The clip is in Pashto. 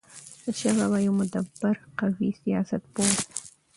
احمدشاه بابا يو مدبر او قوي سیاست پوه و.